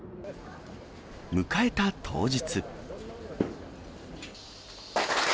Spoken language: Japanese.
迎えた当日。